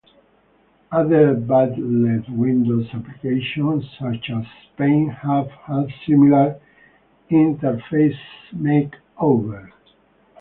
Other bundled Windows applications such as Paint have had similar interface makeovers.